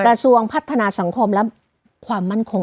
กระทรวงพัฒนาสังคมและความมั่นคง